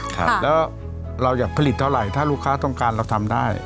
ครับแล้วเราอยากผลิตเท่าไหร่ถ้าลูกค้าต้องการเราทำได้